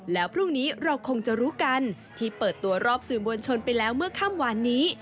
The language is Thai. แล้วพรุ่งนี้เราคงจะรู้กันที่เปิดตัวรอบสื่อมวลชนไปแล้วเมื่อค่ำวานนี้